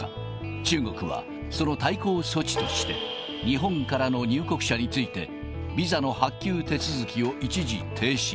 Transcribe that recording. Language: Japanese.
中国はその対抗措置として、日本からの入国者について、ビザの発給手続きを一時停止。